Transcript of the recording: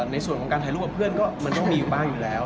ในส่วนของการถ่ายรูปกับเพื่อนก็มันต้องมีอยู่บ้างอยู่แล้ว